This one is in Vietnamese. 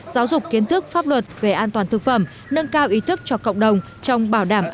giáo dục kiến thức pháp luật về an toàn thực phẩm